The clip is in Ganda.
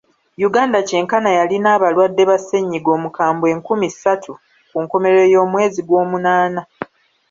Uganda kyenkana yalina abalwadde ba ssennyiga omukambwe enkumi ssatu ku nkomerero y'omwezi gw'omunaana.